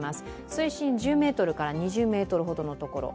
水深１０ｍから２０ｍほどのところ。